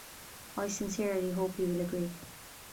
I sincerely hope he will agree.